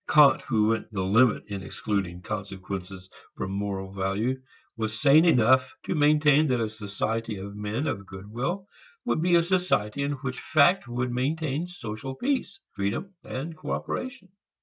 Kant, who went the limit in excluding consequences from moral value, was sane enough to maintain that a society of men of good will would be a society which in fact would maintain social peace, freedom and cooperation.